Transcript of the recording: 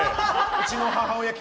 うちの母親。